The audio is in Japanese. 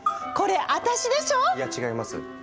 いや違います。